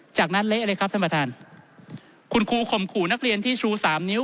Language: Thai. จากนั้นเละเลยครับท่านประธานคุณครูข่มขู่นักเรียนที่ชูสามนิ้ว